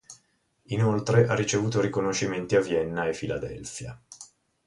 Inoltre, ha ricevuto riconoscimenti a Vienna e Philadelphia.